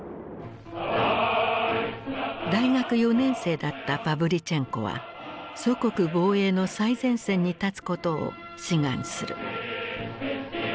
大学４年生だったパヴリチェンコは祖国防衛の最前線に立つことを志願する。